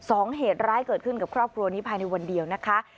เหตุร้ายเกิดขึ้นกับครอบครัวนี้ภายในวันเดียวนะคะ